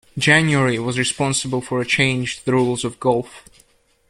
January was responsible for a change to the Rules of Golf.